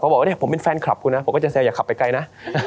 บอกว่าผมเป็นแฟนคลับกูนะผมก็จะแซวอย่าขับไปไกลนะ